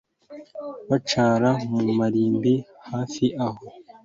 bicara mu marimbi hafi aho